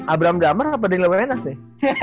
abram damar apa daniel wenas nih